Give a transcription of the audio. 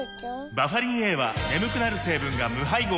バファリンＡは眠くなる成分が無配合なんです